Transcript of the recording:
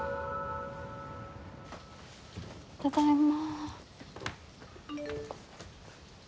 ただいま。